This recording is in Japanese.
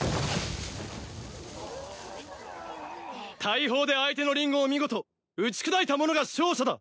大砲で相手のリンゴを見事打ち砕いた者が勝者だ。